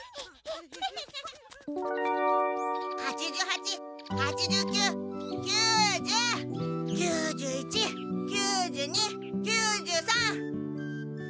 ８８８９９０９１９２９３。